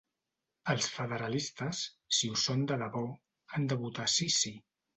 Els federalistes, si ho són de debò, han de votar sí-sí.